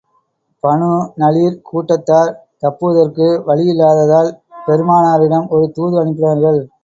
Banu நலீர் கூட்டத்தார் தப்புவதற்கு வழி இல்லாததால், பெருமானாரிடம் ஒரு தூது அனுப்பினார்கள்.